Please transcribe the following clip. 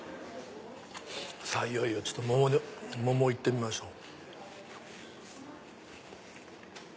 さぁいよいよ桃いってみましょう。